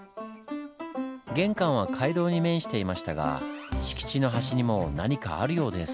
玄関は街道に面していましたが敷地の端にも何かあるようです。